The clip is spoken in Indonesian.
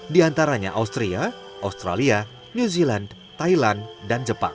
di antaranya austria australia new zealand thailand dan jepang